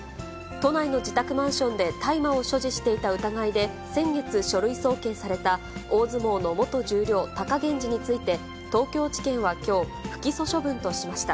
都内の自宅マンションで、大麻を所持していた疑いで先月、書類送検された大相撲の元十両・貴源治について、東京地検はきょう、不起訴処分としました。